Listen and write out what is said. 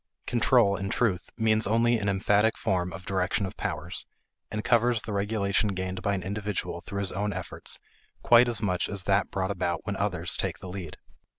Control, in truth, means only an emphatic form of direction of powers, and covers the regulation gained by an individual through his own efforts quite as much as that brought about when others take the lead.